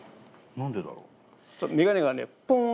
何でだろう？